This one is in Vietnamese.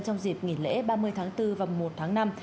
trong dịp nghỉ lễ ba mươi tháng bốn và một tháng năm